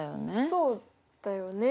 そうだよね。